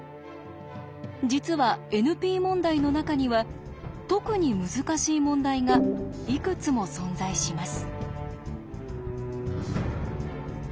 実はＮＰ問題の中には特に難しい問題がいくつも存在します。